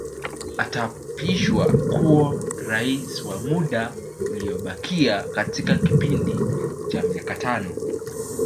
Ataapishwa na kuwa Rais wa muda uliobakia katika kipindi cha miaka mitano